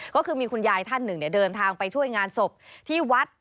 ก็คือมีคุณยายท่านหนึ่งเดินทางไปช่วยงานศพที่วัด